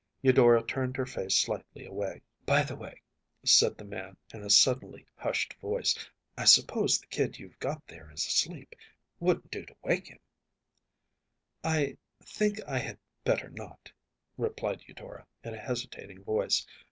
Eudora turned her face slightly away. “By the way,‚ÄĚ said the man, in a suddenly hushed voice, “I suppose the kid you’ve got there is asleep. Wouldn’t do to wake him?‚ÄĚ “I think I had better not,‚ÄĚ replied Eudora, in a hesitating voice.